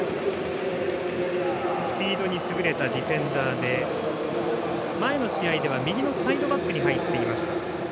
スピードに優れたディフェンダーで前の試合では右サイドバックに入っていました。